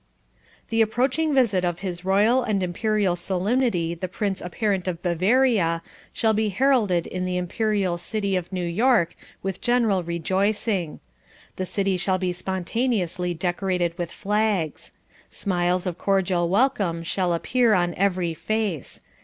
The approaching visit of His Royal and Imperial Solemnity the Prince Apparent of Bavaria shall be heralded in the (Imperial) City of New York with general rejoicing. The city shall be spontaneously decorated with flags. Smiles of cordial welcome shall appear on every face.